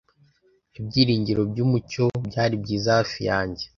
Ibyiringiro byumucyo byari byiza hafi yanjye